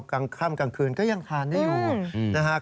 กล้ามกลางคืนก็ยังทานได้อยู่